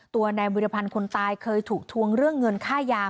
ตัวนายวิรพันธ์คนตายเคยถูกทวงเรื่องเงินค่ายา